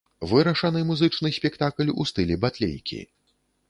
Вырашаны музычны спектакль у стылі батлейкі.